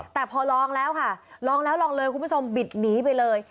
แต่พอลองแล้วค่ะลองแล้วลองเลยคุณผู้ชมบิดหนีไปเลย